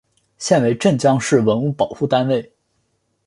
现为镇江市文物保护单位。